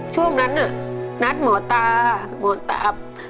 ช่วงนั้นนัดหมอตาหมอตาอับ